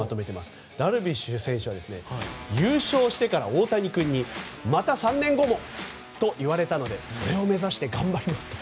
ダルビッシュ選手は優勝してから大谷君にまた３年後もと言われたのでそれを目指して頑張りますと。